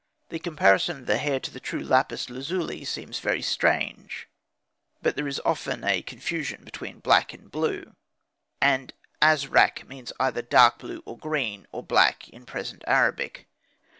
The comparison of the hair to true lapis lazuli seems very strange; but there is often a confusion between black aind blue in uneducated races, and azrak means either dark blue or green, or black, at present in Arabic.